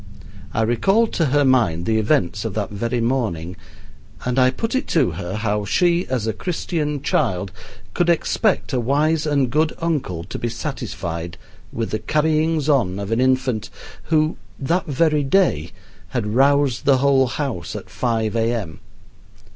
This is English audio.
I recalled to her mind the events of that very morning, and I put it to her how she, as a Christian child, could expect a wise and good uncle to be satisfied with the carryings on of an infant who that very day had roused the whole house at five AM.